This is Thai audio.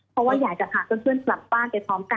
เพราะว่าอยากจะพาเพื่อนกลับบ้านไปพร้อมกัน